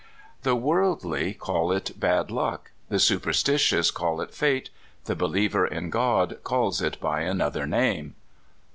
The worldly call it bad luck; the supersti tious call it fate; the believer in God calls it by another name.